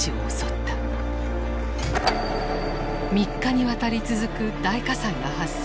３日にわたり続く大火災が発生。